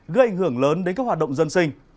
gây ảnh hưởng lớn đến các hoạt động dân sinh